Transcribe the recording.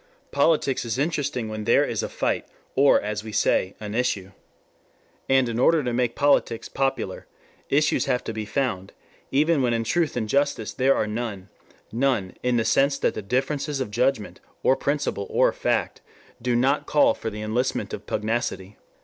Politics is interesting when there is a fight, or as we say, an issue. And in order to make politics popular, issues have to be found, even when in truth and justice, there are none, none, in the sense that the differences of judgment, or principle, or fact, do not call for the enlistment of pugnacity.